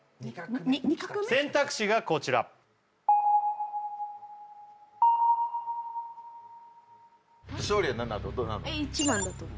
選択肢がこちら昇利は何だとどれだと思う？